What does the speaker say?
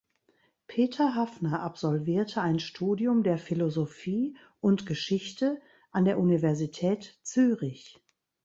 Peter Haffner absolvierte ein Studium der Philosophie und Geschichte an der Universität Zürich.